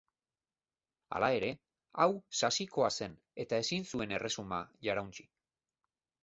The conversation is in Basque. Hala ere, hau sasikoa zen eta ezin zuen erresuma jarauntsi.